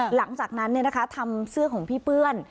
หลังจากนั้นเนี่ยนะคะทำเสื้อของพี่เปื้อน